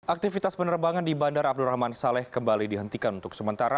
aktivitas penerbangan di bandara abdurrahman saleh kembali dihentikan untuk sementara